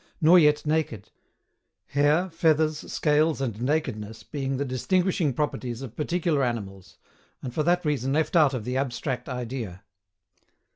nor yet naked: hair, feathers, scales, and nakedness being the distinguishing properties of particular animals, and for that reason left out of the ABSTRACT IDEA.